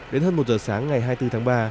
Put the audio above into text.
đến hơn một giờ sáng ngày hai mươi bốn tháng ba